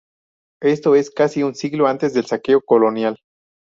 Esto es, casi un siglo antes del "saqueo colonial".